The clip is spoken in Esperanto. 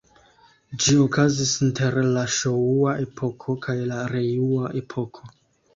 Ĝi okazis inter la Ŝoŭa-epoko kaj la Rejŭa-epoko.